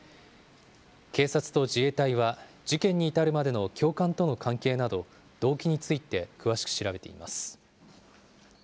警察と自衛隊は、事件に至るまでの教官との関係など、動機について詳しく調べています。